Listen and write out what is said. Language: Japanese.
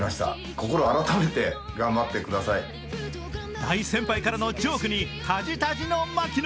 大先輩からのジョークにタジタジの槙野。